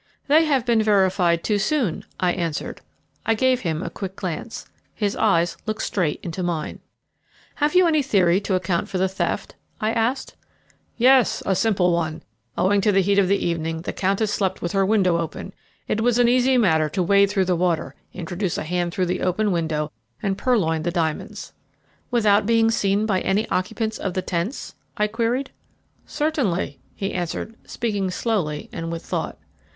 "They have been verified too soon," I answered. I gave him a quick glance. His eyes looked straight into mine. "Have you any theory to account for the theft?" I asked. "Yes, a very simple one. Owing to the heat of the evening the Countess slept with her window open. It was an easy matter to wade through the water, introduce a hand through the open window and purloin the diamonds." "Without being seen by any occupants of the tents?" I queried. "Certainly," he answered, speaking slowly and with thought.